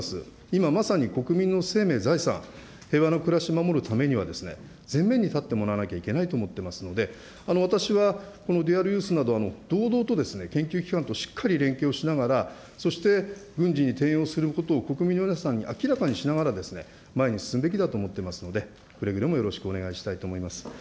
今まさに国民の生命、財産、平和な暮らしを守るためには、前面に立ってもらわなきゃいけないと思ってますので、私はこのデュアルユースなどは、堂々と研究機関としっかり連携をしながら、そして軍事に転用することを国民の皆さんに明らかにしながら、前に進むべきだと思っていますので、くれぐれもよろしくお願いしたいと思います。